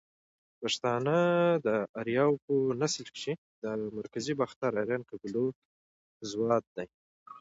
پښتانه ده اریاو په نسل کښی ده مرکزی باختر آرین قبیلو زواد دی